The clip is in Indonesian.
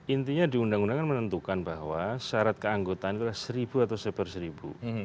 intinya di undang undang kan menentukan bahwa syarat keanggotaan itu adalah seribu atau seper seribu